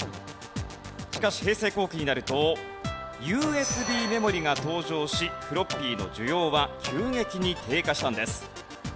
しかし平成後期になるとＵＳＢメモリが登場しフロッピーの需要は急激に低下したんです。